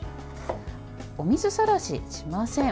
お水さらししません。